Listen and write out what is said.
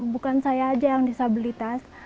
bukan saya aja yang disabilitas